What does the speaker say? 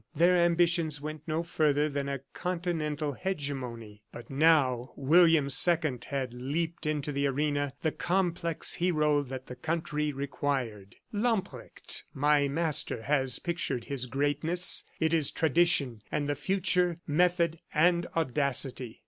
Their ambitions went no further than a continental hegemony ... but now William II had leaped into the arena, the complex hero that the country required. "Lamprecht, my master, has pictured his greatness. It is tradition and the future, method and audacity.